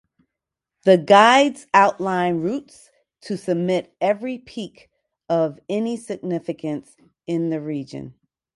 The guides outline routes to summit every peak of any significance in the region.